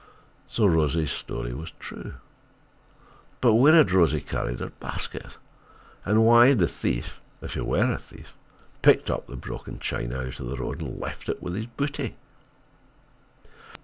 Then Rosie's story was true. But where had Rosie carried her basket? And why had the thief, if he were a thief, picked up the broken china out of the road and left it, with his booty?